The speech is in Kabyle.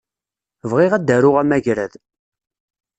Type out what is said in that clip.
Bɣiɣ ad d-aruɣ amagrad.